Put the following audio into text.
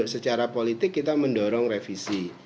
secara politik kita mendorong revisi